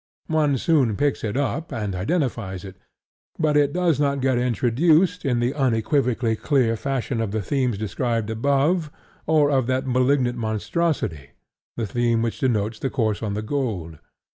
One soon picks it up and identifies it; but it does not get introduced in the unequivocally clear fashion of the themes described above, or of that malignant monstrosity, the theme which denotes the curse on the gold.